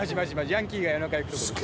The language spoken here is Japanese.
ヤンキーが夜中に行くとこです。